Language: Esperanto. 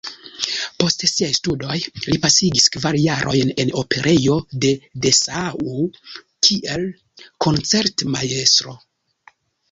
Post siaj studoj li pasigis kvar jarojn en Operejo de Dessau kiel koncertmajstro.